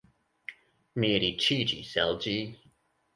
Mi riĉiĝis el ĝi.